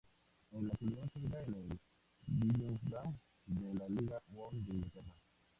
En la actualidad juega en el Gillingham de la League One de Inglaterra.